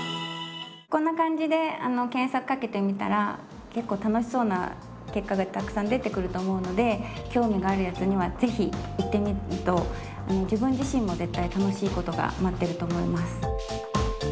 こんな感じで検索かけてみたら結構楽しそうな結果がたくさん出てくると思うので興味があるやつにはぜひ行ってみると自分自身も絶対楽しいことが待ってると思います。